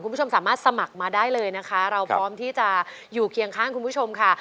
คุณผู้ชมสามารถสมัครมาได้เลยนะคะเราพร้อมที่จะอยู่เคียงข้างคุณผู้ชมค่ะ